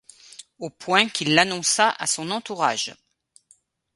Au point qu'il l'annonça à son entourage.